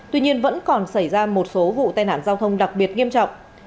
tuy nhiên vẫn còn xảy ra một số vụ tai nạn giao thông đặc biệt nghiêm trọng